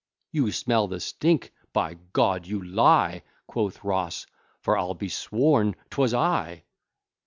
You smell the stink! by G d, you lie, Quoth Ross, for I'll be sworn 'twas I.